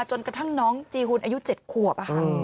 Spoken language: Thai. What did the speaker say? จนกระทั่งน้องจีหุ่นอายุ๗ขวบ